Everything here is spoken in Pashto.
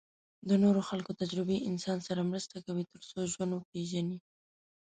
د نورو خلکو تجربې انسان سره مرسته کوي تر څو ژوند وپېژني.